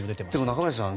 中林さん